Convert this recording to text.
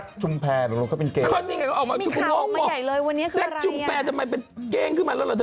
ทำไมเป็นเกงขึ้นมาแล้วเหรอเถอะ